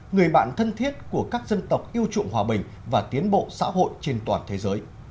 người bạn thân thiết của các dân tộc yêu trụng hòa bình và tiến bộ xã hội trên toàn thế giới